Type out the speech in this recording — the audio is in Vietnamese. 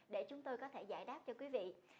để chúng tôi có thể giải đáp cho quý vị